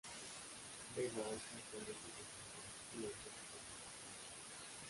Vega Alta está lejos de San Juan, ciudad capital de Puerto Rico.